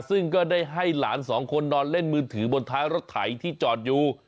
ซึ่งก็ได้ให้หลานสองคนนอนเล่นมือถือบนท้ายรถไถที่จอดอยู่